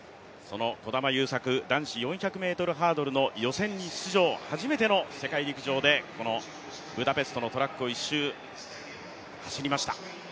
児玉悠作、男子４００ｍハードルの予選に出場、初めての世界陸上でこのブダペストのトラックを１周、走りました。